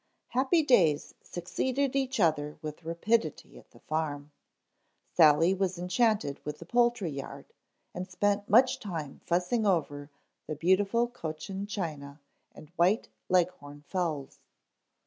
_ HAPPY days succeeded each other with rapidity at the farm. Sally was enchanted with the poultry yard and spent much time fussing over the beautiful Cochin China and White Leghorn fowls.